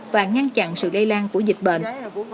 và ngăn chặn sự đầy lan của dịch bệnh